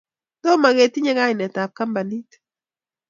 Tomo ketinye kainetab kampinit.